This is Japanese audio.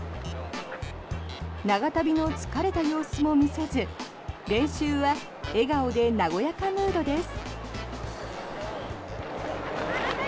長旅の疲れた様子も見せず練習は笑顔で和やかムードです。